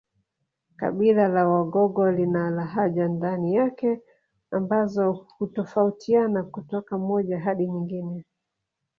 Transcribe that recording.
Kabila la Wagogo lina lahaja ndani yake ambazo hutofautiana kutoka moja hadi nyingine